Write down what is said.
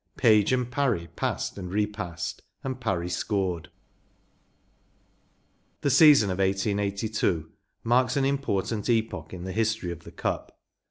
“ Page and Parry passed and repassed and Parry scored.‚ÄĚ The season of 1882 marks an important epoch in the history of the Cup.